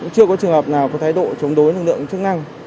chưa có trường hợp nào có thái độ chống đối lực lượng chức năng